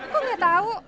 kok gak tau